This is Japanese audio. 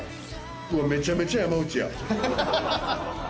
めちゃめちゃ山内や。